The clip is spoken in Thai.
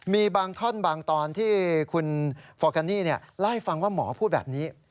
มีบางท่อนบางตอนที่คุณฟอร์แกนี่เล่าให้ฟังว่าหมอพูดแบบนี้